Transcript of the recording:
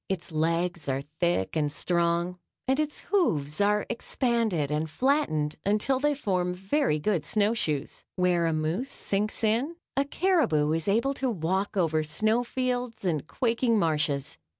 Its legs are thick and strong and its hoofs are expanded and flattened until they form very good snowshoes. Where a moose sinks in, a caribou is able to walk over snowfields and quaking marshes.